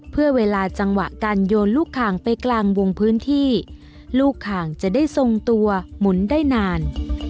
เพื่อเวลาจังหวะการโยนลูกข่างไปกลางวงพื้นที่ลูกข่างจะได้ทรงตัวหมุนได้นาน